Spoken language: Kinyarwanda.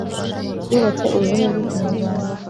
zubatse ururimi rw’Ikinyarwanda.